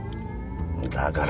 だから！